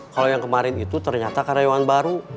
kalau yang kemarin itu ternyata karyawan baru